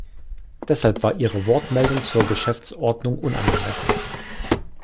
Deshalb war Ihre Wortmeldung zur Geschäftsordnung unangemessen.